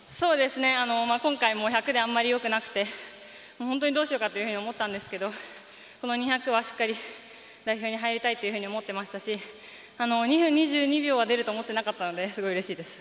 今回も１００であまりよくなくて本当にどうしようかと思ったんですけどこの２００は、しっかり代表に入りたいというふうに思っていましたし２分２２秒は出ると思っていなかったのですごいうれしいです。